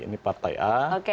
ini partai a